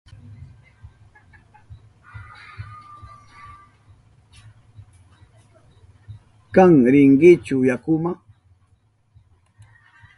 ¿Kan rinkichu yakuma?